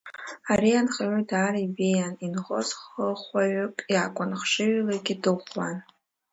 Ари анхаҩы даара ибеианы инхоз, хыхәаҩык иакәын хшыҩлагьы дыӷәӷәан.